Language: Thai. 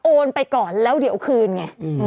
ไปก่อนแล้วเดี๋ยวคืนไง